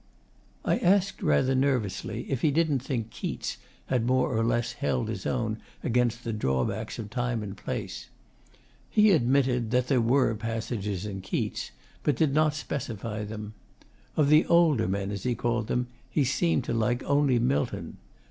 I asked rather nervously if he didn't think Keats had more or less held his own against the drawbacks of time and place. He admitted that there were 'passages in Keats,' but did not specify them. Of 'the older men,' as he called them, he seemed to like only Milton.